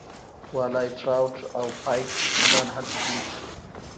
والای ټراوټ او پایک کبان هلته ډیر دي